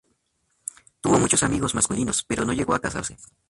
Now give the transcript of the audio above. Tuvo muchos amigos masculinos, pero no llegó a casarse.